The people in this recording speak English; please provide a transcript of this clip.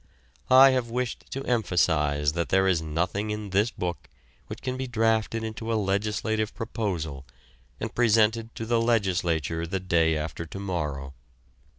I have wished to emphasize that there is nothing in this book which can be drafted into a legislative proposal and presented to the legislature the day after to morrow.